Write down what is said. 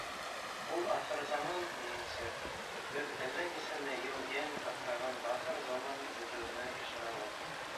Ул ахырызаман, минеңсә, беҙ әллә нисәмә йыл йән аҫраған бахыр заман бөтөүенә ишаралыр.